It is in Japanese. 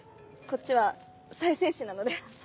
こっちは再生紙なので。